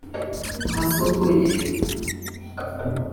amasoko ya leta